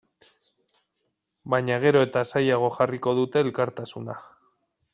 Baina gero eta zailago jarriko dute elkartasuna.